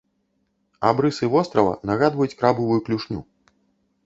Абрысы вострава нагадваюць крабавую клюшню.